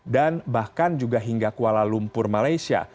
dan bahkan juga hingga kuala lumpur malaysia